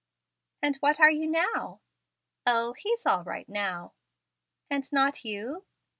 "And what are you now?" "O, he's all right now." "And not you?"